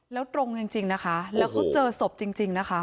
แล้วตรงจริงจริงนะคะแล้วก็เจอศพจริงจริงนะคะ